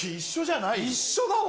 一緒だわ。